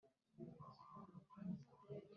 ” intareikubise amaso ihene n’abana